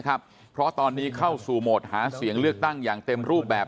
เพราะตอนนี้เข้าสู่โหมดหาเสียงเลือกตั้งอย่างเต็มรูปแบบ